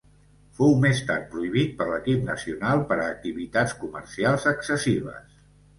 Fou més tard prohibit per l'equip nacional per a activitats comercials excessives.